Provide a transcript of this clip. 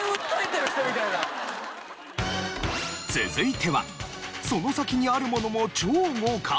続いてはその先にあるものも超豪華！？